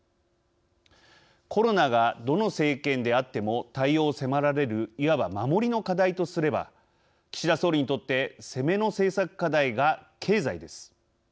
コロナが、どの政権であっても対応を迫られるいわば、守りの課題とすれば岸田総理にとって攻めの政策課題が経済です。